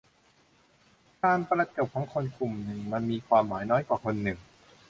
การประจบของคนกลุ่มหนึ่งมันมีความหมายน้อยกว่าคนหนึ่ง